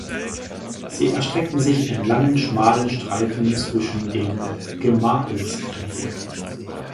Sie erstreckten sich in langen, schmalen Streifen zwischen den Gemarkungsgrenzen.